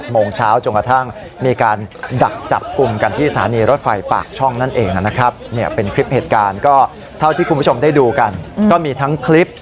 ๘โมงเช้าจนกระทั่งมีการดักจับกลุ่มกันที่สถานีรถไฟปากช่องนั่นเองนะครับ